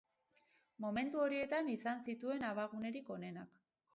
Momentu horietan izan zituen abagunerik onenak.